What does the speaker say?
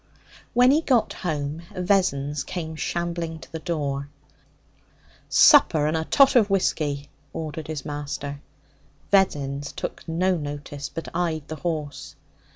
When he got home, Vessons came shambling to the door. 'Supper and a tot of whisky!' ordered his master. Vessons took no notice, but eyed the horse.